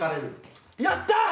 やった！